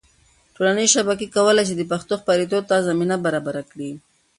ټولنیزې شبکې کولی سي د پښتو خپرېدو ته زمینه برابره کړي.